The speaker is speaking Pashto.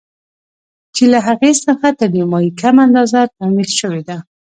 چې له هغې څخه تر نيمايي کمه اندازه تمويل شوې ده.